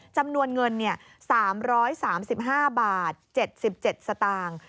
จำนวนเงิน๓๓๕บาท๗๗สตางค์